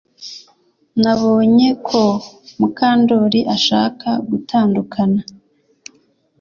Nabonye ko Mukandoli ashaka gutandukana